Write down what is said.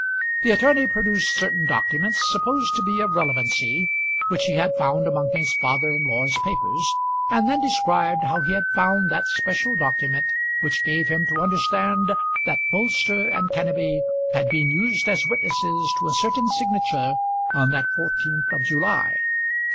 The attorney produced certain documents supposed to be of relevancy, which he had found among his father in law's papers, and then described how he had found that special document which gave him to understand that Bolster and Kenneby had been used as witnesses to a certain signature on that 14th of July.